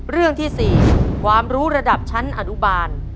เรื่องที่๔ความรู้ระดับชั้นอนุบาล